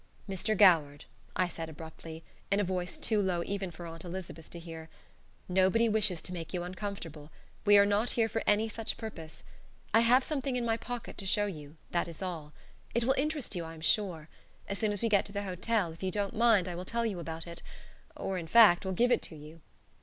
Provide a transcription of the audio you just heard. "Mr. Goward," I said, abruptly, in a voice too low even for Aunt Elizabeth to hear, "nobody wishes to make you uncomfortable. We are not here for any such purpose. I have something in my pocket to show you; that is all. It will interest you, I am sure. As soon as we get to the hotel, if you don't mind, I will tell you about it or, in fact, will give it to you.